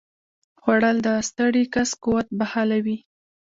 خوړل د ستړي کس قوت بحالوي